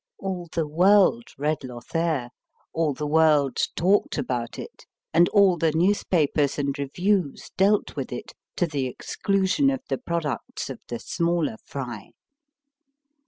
All the world read * Lothair/ all the world talked about it, and all the newspapers and reviews dealt with it, to the exclusion of the products of the smaller fry.